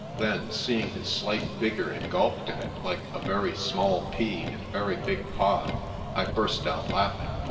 Then, seeing his slight figure engulfed in it, like a very small pea in a very big pod, I burst out laughing.